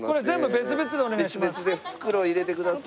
別々で袋入れてください。